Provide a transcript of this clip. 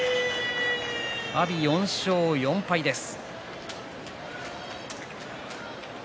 阿炎、４勝４敗です。